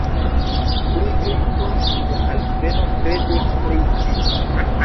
Li tuj post lia alveno kredus pri ĝi